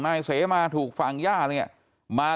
ใช่ค่ะถ่ายรูปส่งให้พี่ดูไหม